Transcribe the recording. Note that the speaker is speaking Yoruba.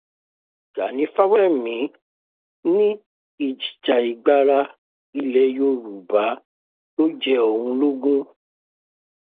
Gàní Fáwẹ̀hìnmi ní ìjìjàgbara ilẹ̀ Yorùbá ló jẹ òun lógún